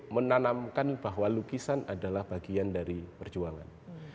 menanamkan bahwa lukisan adalah bagian dari perjuangan